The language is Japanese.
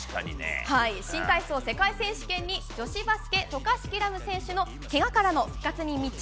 新体操、世界選手権に女子バスケ、渡嘉敷来夢選手のけがからの復活密着。